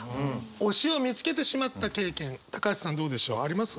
推しを見つけてしまった経験橋さんどうでしょう？あります？